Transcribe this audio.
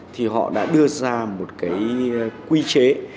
thì họ đã đưa ra một cái quy chế